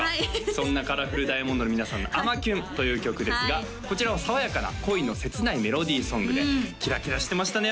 そんなカラフルダイヤモンドの皆さんの「あまキュン」という曲ですがこちらは爽やかな恋の切ないメロディーソングでキラキラしてましたね